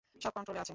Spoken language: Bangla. সব কন্ট্রোলে আছে?